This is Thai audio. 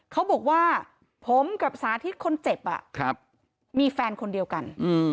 เขาบอกว่าผมกับสาธิตคนเจ็บมีแฟนคนเดียวกัน